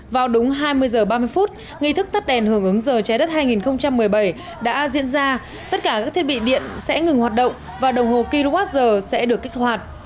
vào đúng hai mươi h ba mươi phút nghi thức tắt đèn hưởng ứng giờ trái đất hai nghìn một mươi bảy đã diễn ra tất cả các thiết bị điện sẽ ngừng hoạt động và đồng hồ kwh sẽ được kích hoạt